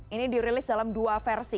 ini dirilis dalam dua versi